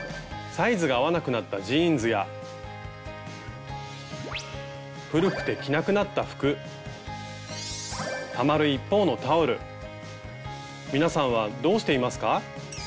サイズが合わなくなったジーンズや古くて着なくなった服たまる一方のタオル皆さんはどうしていますか？